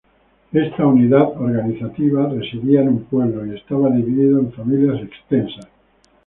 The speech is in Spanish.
Esta unidad organizativa residía en un pueblo y estaba dividido en familias extensas.